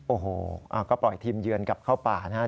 โอ้โหก็ปล่อยทีมเยือนกลับเข้าป่านะครับ